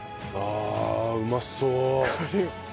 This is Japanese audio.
ああうまそう！